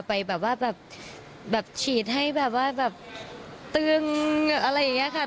ไม่ใช่แกพาไอฮ่างไปทำด้วย